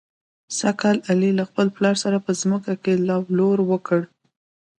سږ کال علي له خپل پلار سره په ځمکه کې لو لور وکړ.